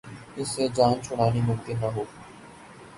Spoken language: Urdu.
اس سے جان چھڑانی ممکن نہ ہوگی۔